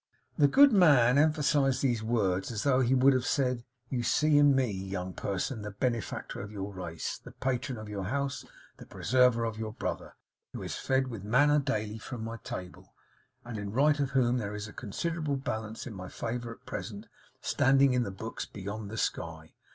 The good man emphasised these words as though he would have said, 'You see in me, young person, the benefactor of your race; the patron of your house; the preserver of your brother, who is fed with manna daily from my table; and in right of whom there is a considerable balance in my favour at present standing in the books beyond the sky.